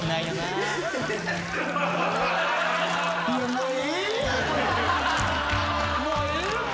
もうええて。